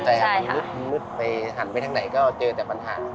ใจหันมืดไปหันไปทั้งไหนก็เจอแต่ปัญหา